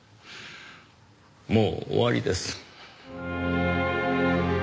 もう終わりです。